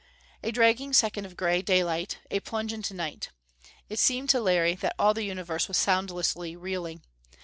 A dragging second of grey daylight. A plunge into night. It seemed to Larry that all the universe was soundlessly reeling.